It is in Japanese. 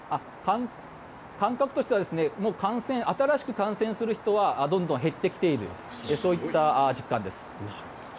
感覚としては新しく感染する人はどんどん減ってきているそういった実感です。